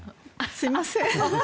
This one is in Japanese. すいません！